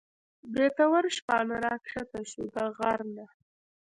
بریتور شپانه راکښته شو د غر نه